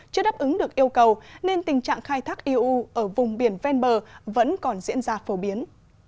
chưa đáp ứng được yêu cầu nên tình trạng khai thác iuu ở vùng biển ven bờ vẫn còn diễn ra phổ biến